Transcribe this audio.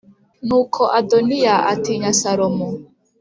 Nuko Adoniya atinya Salomo